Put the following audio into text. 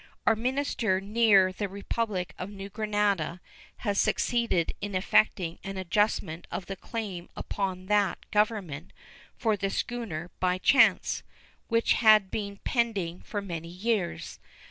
Our minister near the Republic of New Granada has succeeded in effecting an adjustment of the claim upon that Government for the schooner By Chance, which had been pending for many years.